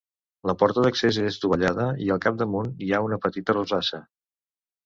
La porta d'accés és dovellada i al capdamunt hi ha una petita rosassa.